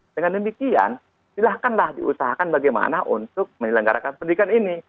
dengan demikian silahkanlah diusahakan bagaimana untuk menyelenggarakan pendidikan ini